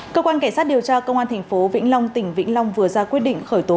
cơ quan kẻ sát điều tra công an thành phố vĩnh long tỉnh vĩnh long vừa ra quyết định khởi tố